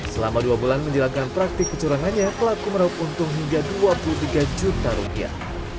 selama dua bulan menjelangkan praktik kecurangannya pelaku meraup untung hingga dua puluh tiga juta rupiah